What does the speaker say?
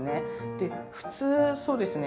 で普通そうですね